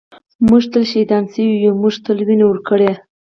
ًٍمونږ تل شهیدان شوي یُو مونږ تل وینې ورکــــړي